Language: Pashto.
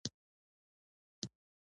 غول د کولمو د حرکاتو شاهد دی.